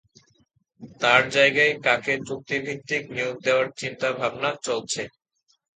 তাঁর জায়গায় কাকে চুক্তিভিত্তিক নিয়োগ দেওয়ার চিন্তাভাবনা চলছে?